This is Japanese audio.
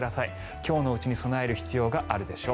今日のうちに備える必要があるでしょう。